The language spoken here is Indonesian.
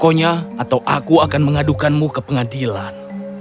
pokoknya atau aku akan mengadukanmu ke pengadilan